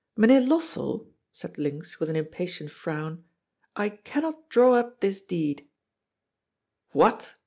" Mynheer Lossell," said Linz with an impatient frown, " I cannot draw up this deed." " What?"